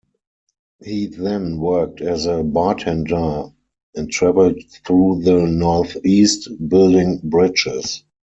He then worked as a bartender and traveled through the Northeast building bridges.